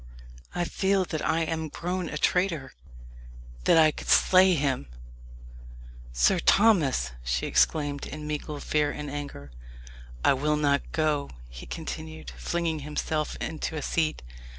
I feel that I am grown a traitor that I could slay him." "Sir Thomas!" she exclaimed, in mingled fear and anger. "I will not go," he continued, flinging himself into a seat.